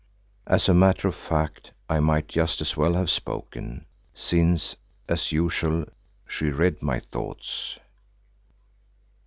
As a matter of fact I might just as well have spoken, since as usual she read my thoughts.